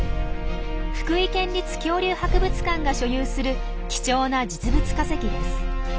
福井県立恐竜博物館が所有する貴重な実物化石です。